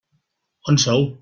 On sou?